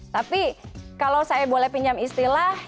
tapi kalau saya boleh pinjam istilah